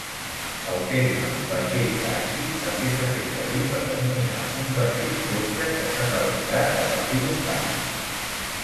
El terme "vaixell taxi" també s'ha fet servir per denominar un vaixell cotxe que s'ha fabricat a partir d'un taxi.